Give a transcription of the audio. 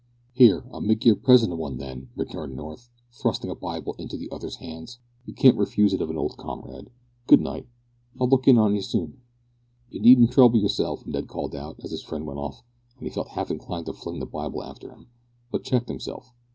"Here, I'll make you a present o' one, then," returned North, thrusting a Bible into the other's hand; "you can't refuse it of an old comrade. Good night. I'll look in on you soon." "You needn't trouble yourself," Ned called out as his friend went off; and he felt half inclined to fling the Bible after him, but checked himself.